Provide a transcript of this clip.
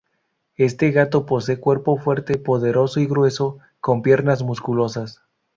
Este gato posee cuerpo fuerte, poderoso y grueso, con piernas musculosas.